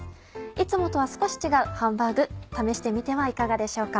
いつもとは少し違うハンバーグ試してみてはいかがでしょうか。